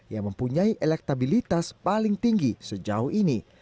yang mempunyai elektabilitas paling tinggi sejauh ini